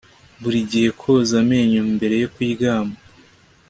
Buri gihe koza amenyo mbere yo kuryama